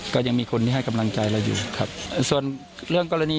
คุณลุงจะกลับไปใช้ชีวิตเหมือนเดิม